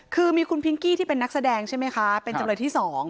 คือมีคุณพิงกี้ที่เป็นนักแสดงใช่ไหมคะเป็นจำเลยที่๒